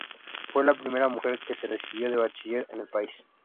Fue la primera mujer que se recibió de bachiller en el país.